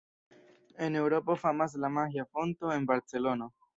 En Eŭropo famas la Magia Fonto en Barcelono.